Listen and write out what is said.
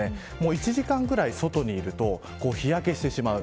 １時間ぐらい外にいると日焼けしてしまう。